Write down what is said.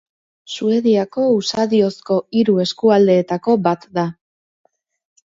Suediako usadiozko hiru eskualdeetako bat da.